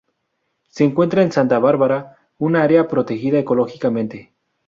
Se encuentra en Santa Bárbara una Área Protegida ecológicamente.